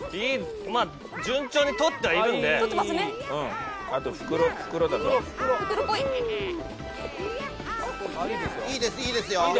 いいですよ。